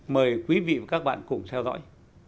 mời quý vị và các bạn cùng theo dõi